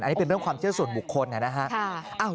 อันนี้เป็นเรื่องความเชื่อส่วนบุคคลนะครับ